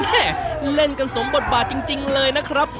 เล่นกันสมบทบาทจริงเลยนะครับ